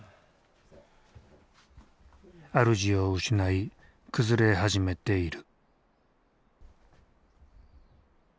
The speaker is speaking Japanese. あるじを失い崩れ始めている。